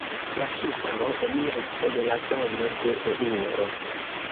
La Kipro eniris en la zono de eŭro.